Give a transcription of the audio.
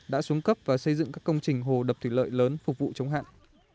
đã xuống cấp và xây dựng các công trình hồ đập thủy lợi lớn phục vụ chống hạn